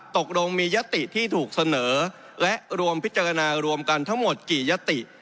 ตกลงมียติที่ถูกเสนอและรวมพิจารณารวมกันทั้งหมดกี่ยติ